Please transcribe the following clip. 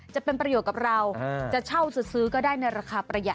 จะเป็นประโยชน์กับเราจะเช่าจะซื้อก็ได้ในราคาประหยัด